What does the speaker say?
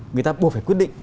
người ta buộc phải quyết định